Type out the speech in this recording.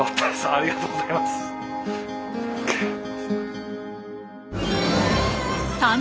ありがとうございます。